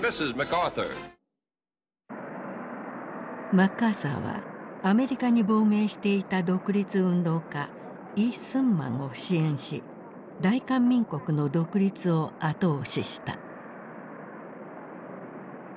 マッカーサーはアメリカに亡命していた独立運動家李承晩を支援し大韓民国の独立を後押しした。